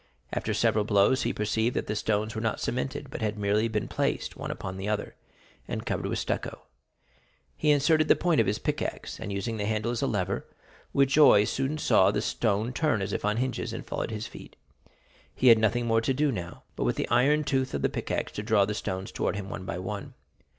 After several blows he perceived that the stones were not cemented, but had been merely placed one upon the other, and covered with stucco; he inserted the point of his pickaxe, and using the handle as a lever, with joy soon saw the stone turn as if on hinges, and fall at his feet. He had nothing more to do now, but with the iron tooth of the pickaxe to draw the stones towards him one by one.